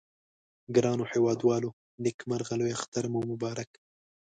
ګرانو هیوادوالو نیکمرغه لوي اختر مو مبارک